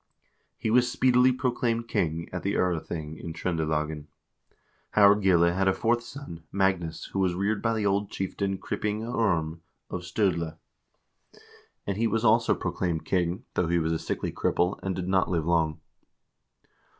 He was speedily proclaimed king at the 0rething in Tr0ndelagen. Harald Gille had a fourth son, Magnus, who was reared by the old chieftain Krypinga Orm of St0dle, and he was also proclaimed king, though he was a sickly cripple, and did not live long.